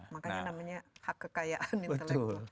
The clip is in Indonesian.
makanya namanya hak kekayaan intelektual